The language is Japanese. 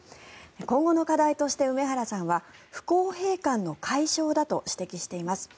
今後の課題として梅原さんは不公平感の解消だと指摘しています。